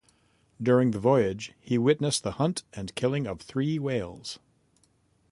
During the voyage he witnessed the hunt and killing of three whales.